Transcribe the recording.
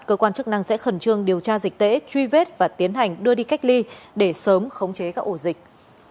cơ quan chức năng sẽ khẩn trương điều tra dịch tễ truy vết và tiến hành đưa đi cách ly để sớm khống chế các ổ dịch